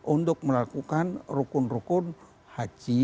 untuk melakukan rukun rukun haji